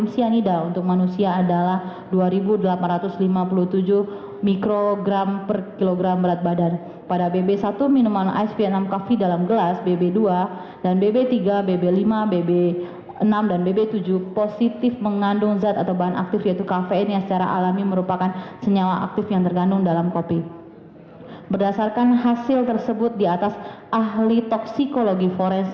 cnn indonesia breaking news